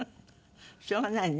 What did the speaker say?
しょうがないね。